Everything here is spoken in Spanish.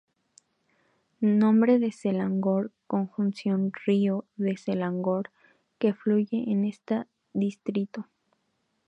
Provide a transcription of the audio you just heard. Nombre de Selangor conjunción río de Selangor; que fluye en esta distrito.